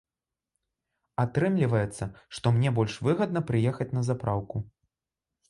Атрымліваецца, што мне больш выгадна прыехаць на запраўку.